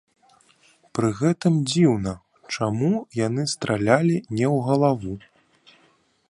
Пры гэтым дзіўна, чаму яны стралялі не ў галаву?